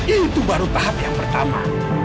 itu baru tahap yang pertama